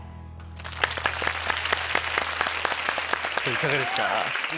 いかがですか？